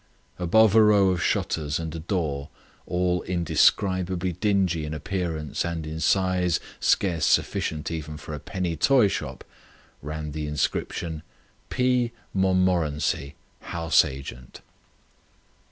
Above a row of shutters and a door, all indescribably dingy in appearance and in size scarce sufficient even for a penny toyshop, ran the inscription: "P. Montmorency, House Agent."